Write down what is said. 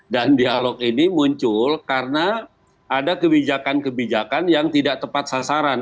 dan dialog ini muncul karena ada kebijakan kebijakan yang tidak tepat sasaran